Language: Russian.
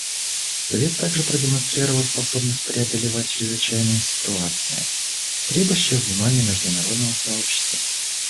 Совет также продемонстрировал способность преодолевать чрезвычайные ситуации, требующие внимания международного сообщества.